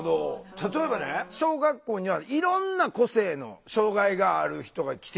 例えばね小学校にはいろんな個性の障害がある人が来てるよね？